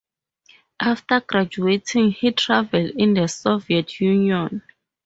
After graduating, he traveled in the Soviet Union.